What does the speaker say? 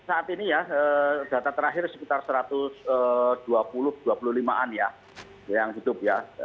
saat ini ya data terakhir sekitar satu ratus dua puluh dua puluh lima an ya yang hidup ya